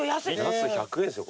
ナス１００円ですよ。